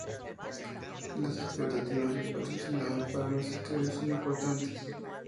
Las expectativas del patrocinador para los estudios son importantes.